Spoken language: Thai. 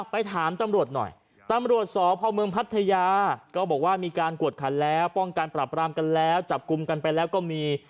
ไปถามตำรวจหน่อยตำรวจสพเมืองพัทยาก็บอกว่ามีการกวดขันแล้วป้องกันปรับรามกันแล้วจับกลุ่มกันไปแล้วก็มี